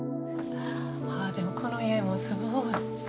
あでもこの家もすごい。